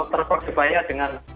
dr persebaya dengan